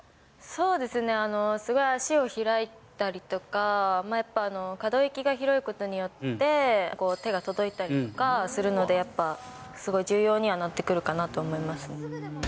そうですね、すごい脚を開いたりとか、やっぱ可動域が広いことによって、手が届いたりとかするので、やっぱ、すごい重要にはなってくるかなと思います。